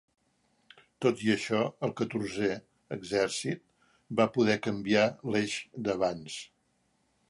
Tot i això, el catorzè exèrcit va poder canviar l'eix d'avanç.